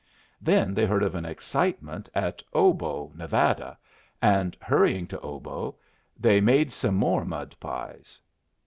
Then they heard of an excitement at Obo, Nevada, and, hurrying to Obo, they made some more mud pies.